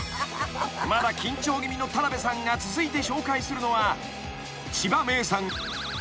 ［まだ緊張気味の田辺さんが続いて紹介するのは］